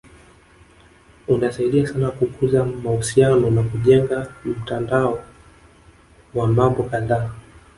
Unasaidia sana kukuza mahusiano na kujenga mtandao wa mambo kadhaa